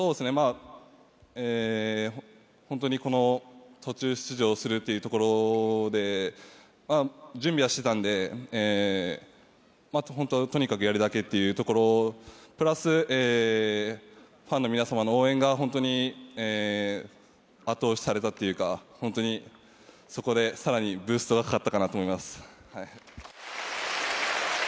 本当にこの途中出場するというところで準備はしていたので本当にとにかくやるだけというところプラスファンの皆様の応援に本当に後押しされたというか、そこで更にブーストがかかったかなと思います。